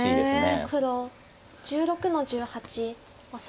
黒１６の十八オサエ。